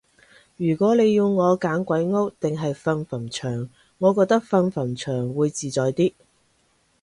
如果你要我揀鬼屋定係瞓墳場，我覺得瞓墳場會自在啲